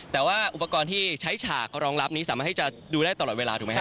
แต่ว่าอุปกรณ์ที่ใช้ฉากรองรับนี้สามารถให้จะดูได้ตลอดเวลาถูกไหมครับ